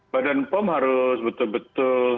badan pom harus betul betul